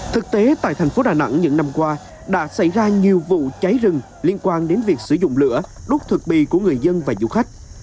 thực tế tại thành phố đà nẵng những năm qua đã xảy ra nhiều vụ cháy rừng liên quan đến việc sử dụng lửa đốt thực bì của người dân và du khách